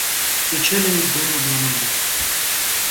- Իջել էի դուռը բանալու: